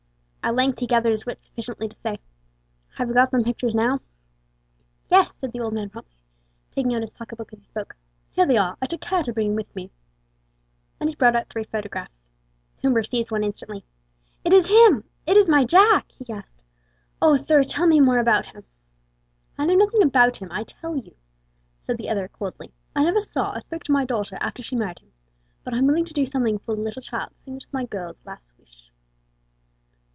At length he gathered his wits sufficiently to say: "Have you got them pictures now?" "Yes," said the old man, promptly, taking out his pocket book as he spoke. "Here they are; I took care to bring 'em with me;" and he brought out three photographs. Coomber seized one instantly. "It is him! It is my Jack!" he gasped. "Oh, sir, tell me more about him." "I know nothing about him, I tell you," said the other, coldly; "I never saw or spoke to my daughter after she married him; but I'm willing to do something for the little child, seeing it was my girl's last wish."